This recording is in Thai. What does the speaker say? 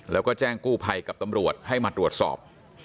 แล้วก็แจ้งกู้ภัยกับตำรวจให้มาตรวจสอบ